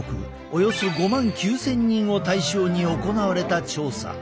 およそ５万９，０００人を対象に行われた調査。